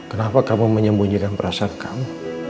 kenapa kamu menyembunyikan perasaan kamu